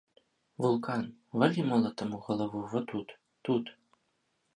Вулкан, валі молатам у галаву во тут, тут!